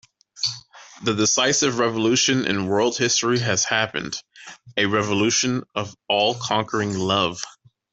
The decisive revolution in world history has happened - a revolution of all-conquering love.